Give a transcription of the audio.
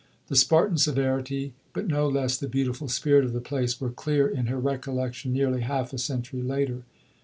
The Spartan severity, but no less the beautiful spirit of the place, were clear in her recollection nearly half a century later.